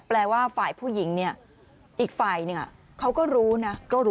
แปลว่าฝ่ายผู้หญิงเนี่ยอีกฝ่ายหนึ่งเขาก็รู้นะ